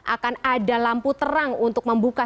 akan ada lampu terang untuk membuka